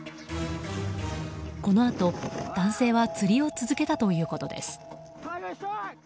このあと、男性は釣りを続けたということです。